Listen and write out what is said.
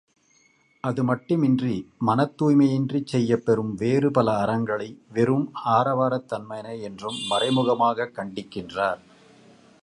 அதுமட்டுமின்றி மனத்துாய்மையின்றிச் செய்யப்பெறும் வேறு பல அறங்களை வெறும் ஆரவாரத்தன்மையன என்றும் மறைமுகமாகக் கண்டிக்கின்றார்.